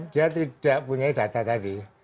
dia tidak punya data tadi